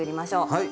はい。